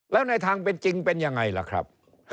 แล้วในทางเป็นจริงเป็นยังไงล่ะครับ